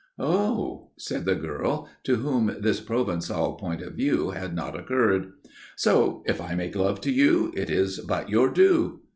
"Oh!" said the girl, to whom this Provençal point of view had not occurred. "So, if I make love to you, it is but your due."